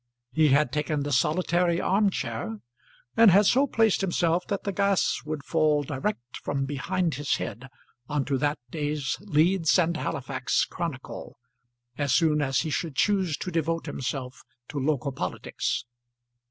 He had taken the solitary arm chair, and had so placed himself that the gas would fall direct from behind his head on to that day's "Leeds and Halifax Chronicle," as soon as he should choose to devote himself to local politics.